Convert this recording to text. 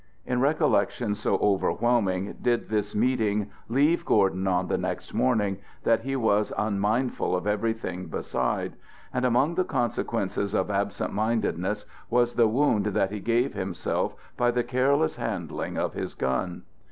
In recollections so overwhelming did this meeting leave Gordon on the next morning, that he was unmindful of everything beside; and among the consequences of absent mindedness was the wound that he gave himself by the careless handling of his gun.